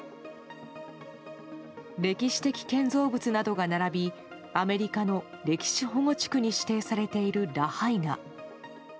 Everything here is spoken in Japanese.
歴史的建造物などが並びアメリカの歴史保護地区に指定されているラハイナ。